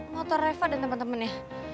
motor reva dan temen temennya